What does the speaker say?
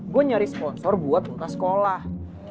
gue nyari sponsor buat muka sekolah